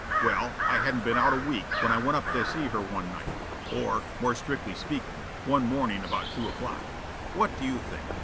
Well, I hadn't been out a week when I went up to see her one night, or, more strictly speakin', one morning about two o'clock. What do you think?